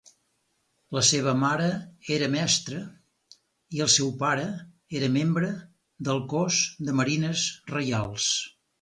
La seva mare era mestra i el seu pare era membre del Cos de Marines Reials.